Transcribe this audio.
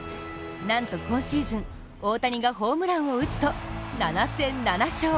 なんと今シーズン、大谷がホームランを打つと７戦７勝。